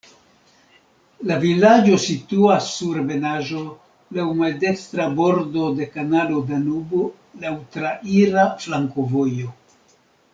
La vilaĝo situas sur ebenaĵo, laŭ maldekstra bordo de kanalo Danubo, laŭ traira flankovojo.